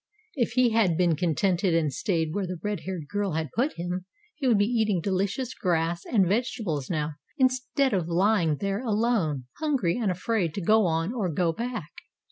If he had been contented and stayed where the red haired girl had put him, he would be eating delicious grass and vegetables now instead of lying there alone, hungry and afraid to go on or go back.